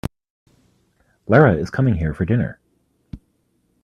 Lara is coming here for dinner.